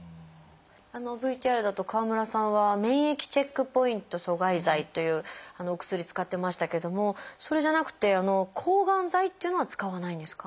あのＶＴＲだと川村さんは免疫チェックポイント阻害剤というお薬使ってましたけどもそれじゃなくて抗がん剤っていうのは使わないんですか？